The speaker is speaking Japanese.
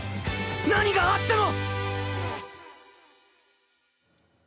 何があっても！